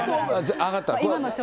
上がったら？